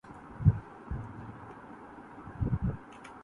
اسی سوال نے ایک دوسرے سوال کو انگیخت کیا: کیا جمہوریت پسندوں کو اس کا احساس ہے؟